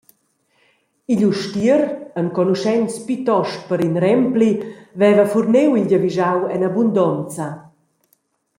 Igl ustier, enconuschents plitost per in rempli, veva furniu il giavischau en abundonza.